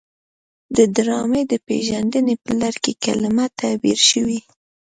د ډرامې د پیژندنې په لړ کې کلمه تعبیر شوې.